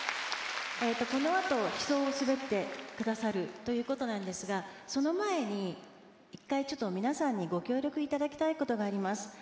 「このあと『悲愴』を滑ってくださるという事なんですがその前に一回ちょっと皆さんにご協力頂きたい事があります」